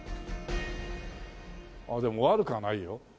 でも悪くはないよ。